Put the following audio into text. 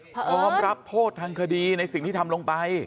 พร้อมรับโทษทางคดีในสิ่งที่ทำลงไป